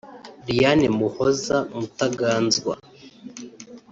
Liane Muhoza Mutaganzwa